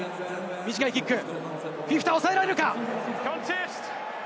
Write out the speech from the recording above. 短いキック、フィフィタを抑えられるか？